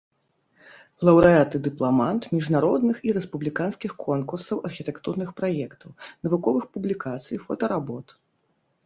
Лаўрэат і дыпламант міжнародных і рэспубліканскіх конкурсаў архітэктурных праектаў, навуковых публікацый, фотаработ.